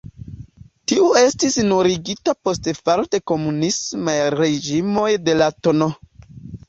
Tiu estis nuligita post falo de komunismaj reĝimoj de la tn.